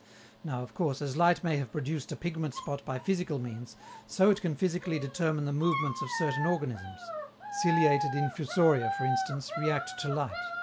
Now, of course, as light may have produced a pigment spot by physical means, so it can physically determine the movements of certain organisms; ciliated Infusoria, for instance, react to light.